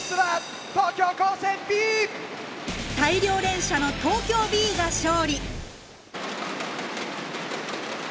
大量連射の東京Ｂが勝利！